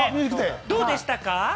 どうでしたか？